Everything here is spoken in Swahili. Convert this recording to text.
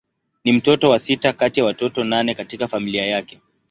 Ni mtoto wa sita kati ya watoto nane katika familia yake.